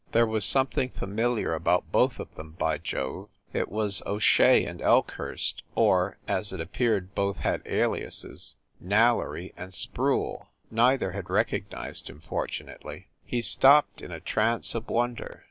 There was something familiar about both of them by Jove! It was O Shea and Elk hurst or, as it appeared both had aliases, Nailery and Sproule. Neither had recognized him, for tunately. He stopped, in a trance of wonder.